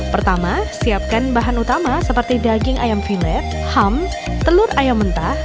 pertama siapkan bahan utama seperti daging ayam villet ham telur ayam mentah